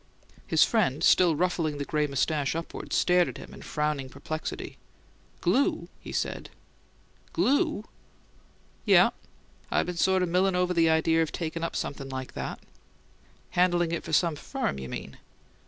His friend, still ruffling the gray moustache upward, stared at him in frowning perplexity. "Glue?" he said. "GLUE!" "Yes. I been sort of milling over the idea of taking up something like that." "Handlin' it for some firm, you mean?"